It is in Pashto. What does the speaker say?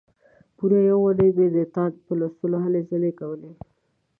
پوره یوه اونۍ مې د تاند په لوستلو هلې ځلې کولې.